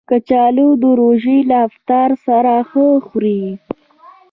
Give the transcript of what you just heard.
کچالو د روژې له افطار سره ښه خوري